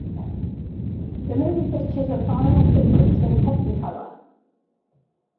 The movie features a final sequence in Technicolor.